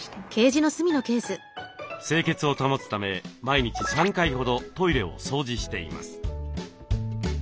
清潔を保つため毎日３回ほどトイレを掃除しています。